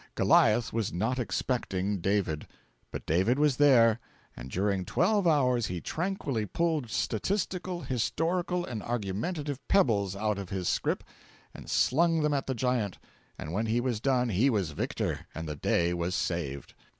Goliath was not expecting David. But David was there; and during twelve hours he tranquilly pulled statistical, historical, and argumentative pebbles out of his scrip and slung them at the giant; and when he was done he was victor, and the day was saved.